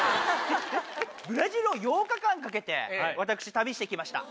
ブラジルを８日間かけて、私、旅してきました。